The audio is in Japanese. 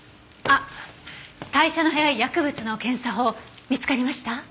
あっ代謝の早い薬物の検査法見つかりました？